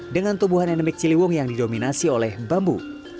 dengan tumbuhan endemik ciliwung yang didominasi oleh bambu